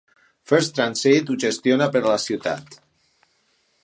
First Transit ho gestiona per a la ciutat.